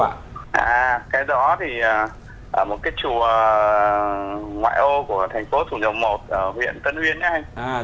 à cái đó thì ở một cái chùa ngoại ô của thành phố thủng dòng một ở huyện tân uyên nha anh